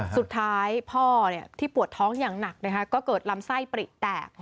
สุดท้ายพ่อที่ปวดท้องอย่างหนักก็เกิดลำไส้ปริแตก